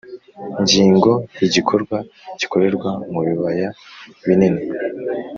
Ngingo igikorwa gikorerwa mu bibaya binini